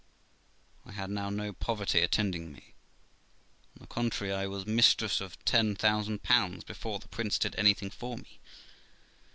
I had now no poverty attending me; on the contrary, I was mistress of ten thousand pounds before the prince did anything for me.